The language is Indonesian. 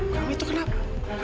kamu itu kenapa